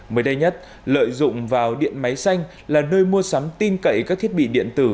mới đây nhất lợi dụng vào điện máy xanh là nơi mua sắm tin cậy các thiết bị điện tử